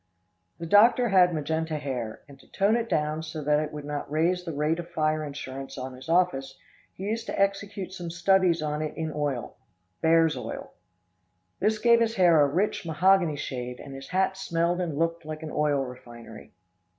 The doctor had magenta hair, and to tone it down so that it would not raise the rate of fire insurance on his office, he used to execute some studies on it in oil bear's oil. This gave his hair a rich mahogany shade, and his hat smelled and looked like an oil refinery.